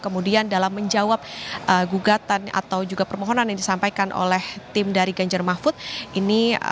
kemudian dalam menjawab gugatan atau juga permohonan yang disampaikan oleh tim dari ganjar mahfud ini